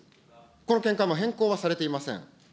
この見解も変更はされておりません。